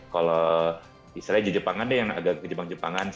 kalau misalnya jepang ada yang agak ke jepang jepangan